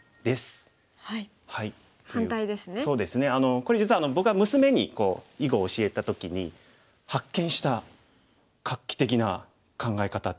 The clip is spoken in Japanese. これ実は僕は娘に囲碁を教えた時に発見した画期的な考え方というか。